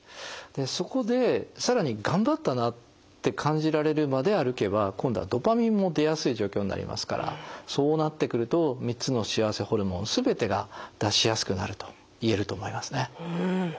そこでさらに頑張ったなって感じられるまで歩けば今度はドパミンも出やすい状況になりますからそうなってくると３つの幸せホルモン全てが出しやすくなるといえると思いますね。